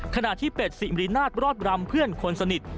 ขณะที่เป็ดสิมรินาทรอดรำเพื่อนคนสนิท